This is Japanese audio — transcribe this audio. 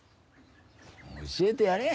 教えてやれ。